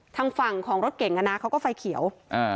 ทางฝั่งของรถเก่งอ่ะนะเขาก็ไฟเขียว